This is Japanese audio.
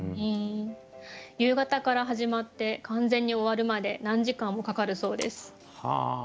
夕方から始まって完全に終わるまで何時間もかかるそうです。